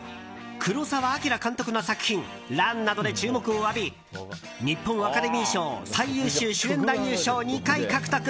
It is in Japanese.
黒澤明監督の作品「乱」などで注目を浴び日本アカデミー賞最優秀主演男優賞２回獲得。